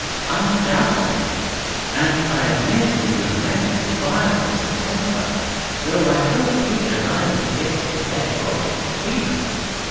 "Undoubtedly; and I admit his lamentable violence of temper, though I hope he and I will get the better of it between us.